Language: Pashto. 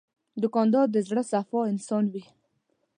دوکاندار د زړه صفا انسان وي.